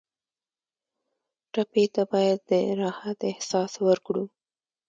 ټپي ته باید د راحت احساس ورکړو.